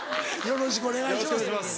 よろしくお願いします。